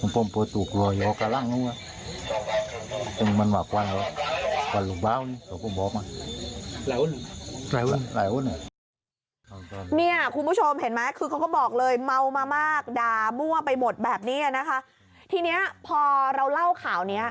ผมตกลอยโอกลังไม่ว่ามันหวากวันหรอกหวันหลุดเบานี้ผมบอกมา